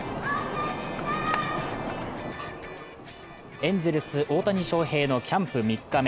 エンゼルス・大谷翔平のキャンプ３日目。